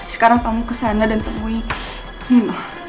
sekarang kamu kesana dan temuin nino